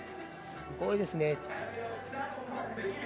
すごいですね。